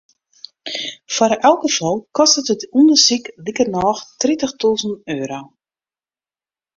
Foar elk gefal kostet it ûndersyk likernôch tritichtûzen euro.